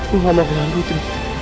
gua gak mau kehilangan putri